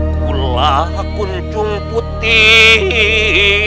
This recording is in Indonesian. kulah kunjung putih